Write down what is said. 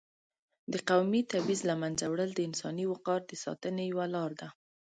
د قومي تبعیض له منځه وړل د انساني وقار د ساتنې یوه لار ده.